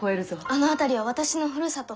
あの辺りは私のふるさと。